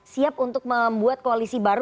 siap untuk membuat koalisi baru